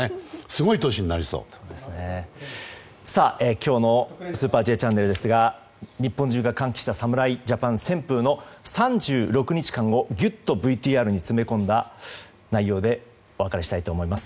今日の「スーパーＪチャンネル」ですが日本中が歓喜した侍ジャパン旋風の３６日間をぎゅっとＶＴＲに詰め込んだ内容でお別れしたいと思います。